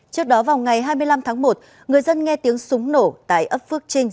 trước đó vào ngày hai mươi năm tháng một người dân nghe tiếng súng nổ tại ấp phước trinh